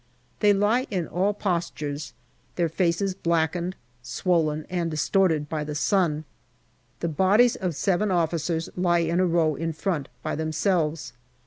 They lie in all postures, their faces blackened, swollen, and distorted by the sun. The bodies of seven officers lie in a row in front by themselves.